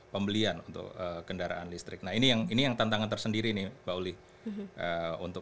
pembelian untuk kendaraan listrik nah ini yang ini yang tantangan tersendiri nih mbak uli untuk